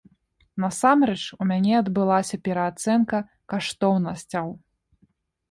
Насамрэч, у мяне адбылася пераацэнка каштоўнасцяў.